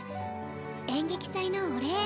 演劇祭のお礼。